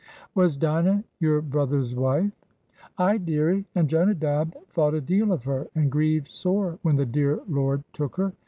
"Was Dinah your brother's wife?" "Aye, dearie, and Jonadab thought a deal of her, and grieved sore when the dear Lord took her.